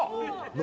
何？